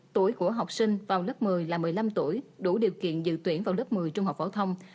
tuổi của học sinh vào lớp một mươi là một mươi năm tuổi đủ điều kiện dự tuyển vào lớp một mươi trung học phổ thông